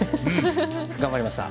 頑張りました。